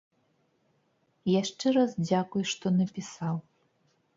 Яшчэ раз дзякуй, што напісаў.